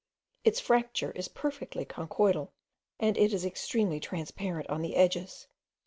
Its fracture is perfectly conchoidal, and it is extremely transparent on the edges.